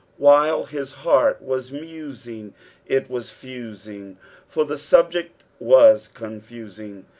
While hia heart was rauain^ it was fusing, for the subject was coafusing.